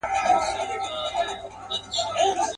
د ښځي په اړه موږ څنګه رویه خپله کړو